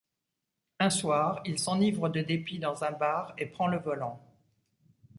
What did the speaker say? Un soir, il s'enivre de dépit dans un bar et prend le volant.